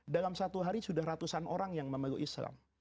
dalam satu hari sudah ratusan orang yang memeluk islam